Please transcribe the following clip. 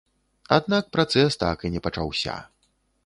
Аднак працэс так і не пачаўся.